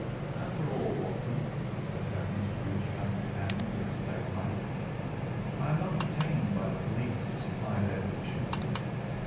"After all, Watson," said Holmes, reaching up his hand for his clay pipe, "I am not retained by the police to supply their deficiencies.